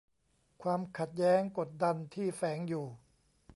ความขัดแย้งกดดันที่แฝงอยู่